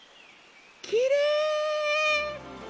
きれい！